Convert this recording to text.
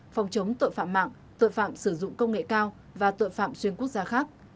phòng chống tội phạm mạng tội phạm sử dụng công nghệ cao và tội phạm xuyên quốc gia khác